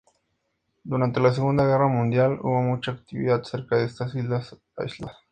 Durante la Segunda Guerra Mundial hubo mucha actividad cerca de estas islas aisladas.